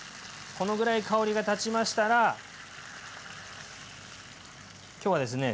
このぐらい香りがたちましたら今日はですね